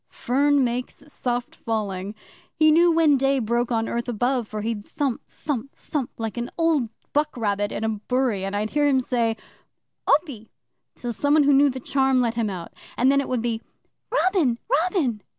Fern makes soft falling! He knew when day broke on earth above, for he'd thump, thump, thump, like an old buck rabbit in a bury, and I'd hear him say "Opy!" till some one who knew the Charm let him out, and then it would be "Robin! Robin!"